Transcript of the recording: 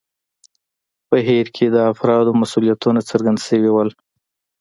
په هیر کې د افرادو مسوولیتونه څرګند شوي وو.